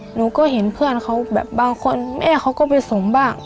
หนูก็เห็นเพื่อนเขาแบบบางคนแม่เขาก็ไปส่งบ้าง